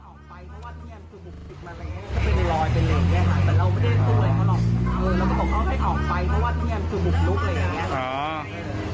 แล้วเราไม่ให้พี่ทำงานเลยนะครับ